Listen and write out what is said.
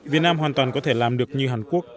việt nam hoàn toàn có thể làm được như hàn quốc